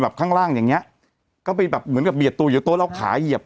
ข้างล่างอย่างเงี้ยก็ไปแบบเหมือนกับเบียดตัวอยู่โต๊ะแล้วขาเหยียบ